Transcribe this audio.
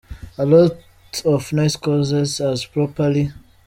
a lot of nice causes, as properly.